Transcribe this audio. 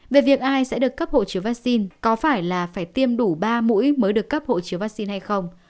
về việc ai sẽ được cấp hộ chiếu vaccine có phải là phải tiêm đủ ba mũi mới được cấp hộ chiếu vaccine hay không